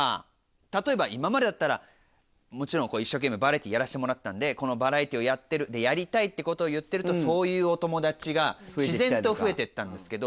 例えば今までだったらもちろん一生懸命バラエティーやらせてもらってたんでこのバラエティーをやってるやりたいってことを言ってるとそういうお友達が自然と増えてったんですけど。